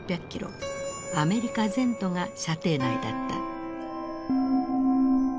アメリカ全土が射程内だった。